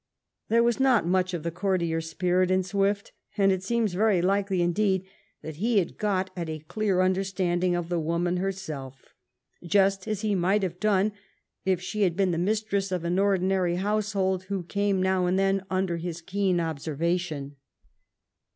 There was not much of the courtier's spirit in Swift, and it seems very likely, indeed, that he had got at a clear understanding of the woman herself, just as he might have done if she had been the mistress of an ordinary household who came now and then under his keen observation.